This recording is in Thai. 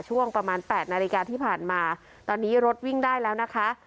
ช่วงประมาณ๘นาฬิกาที่ผ่านมาตอนนี้รถวิ่งได้แล้วนะคะ